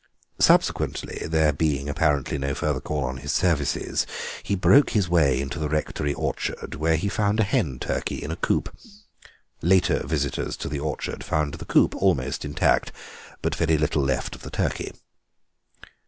Subsequently, there being apparently no further call on his services, he broke his way into the rectory orchard, where he found a hen turkey in a coop; later visitors to the orchard found the coop almost intact, but very little left of the turkey.